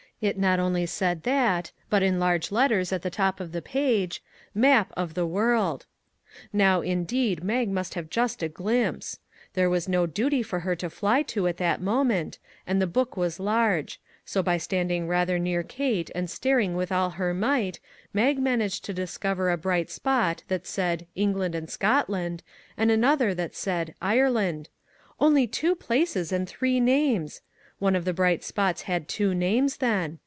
it not only said that, but in large letters at the top of the page, " Map of the World v " Now indeed Mag must have just a glimpse. There was no duty for her to fly to at that moment, and the book was large; so by standing rather near Kate and staring with all her might, Mag managed to discover a bright spot that said " England and Scotland," and an other that said " Ireland. Only two places and three names ! One of the bright spots had two names, then.